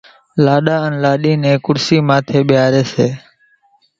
لاڏا انين لاڏِي نين کُڙسِيان ماٿيَ ٻيۿاريَ سي۔